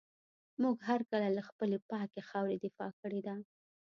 موږ هر کله له خپلي پاکي خاوري دفاع کړې ده.